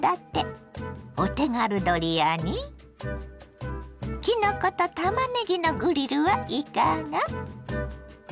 お手軽ドリアにきのことたまねぎのグリルはいかが。